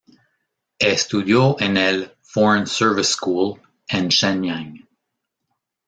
Estudió en el "Foreign Service School" en Shenyang.